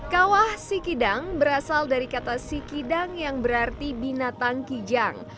kawah sikidang berasal dari kata sikidang yang berarti binatang kijang